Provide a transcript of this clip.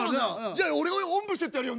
じゃあ俺がおんぶしてってやるよ。